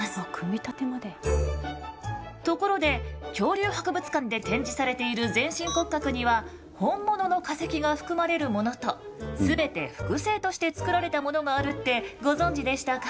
ところで恐竜博物館で展示されている全身骨格には本物の化石が含まれるものとすべて複製として作られたものがあるってご存じでしたか？